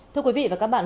thưa quý vị và các bạn